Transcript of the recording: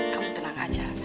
kamu tenang aja